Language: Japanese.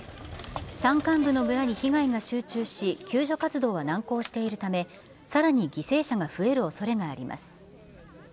山間部の村に被害が集中し、救助活動は難航しているため、さらに犠牲者が増えるおそれがあります。